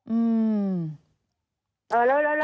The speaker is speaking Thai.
อืม